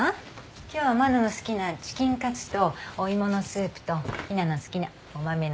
今日は真菜の好きなチキンカツとお芋のスープと陽菜の好きなお豆のサラダよ。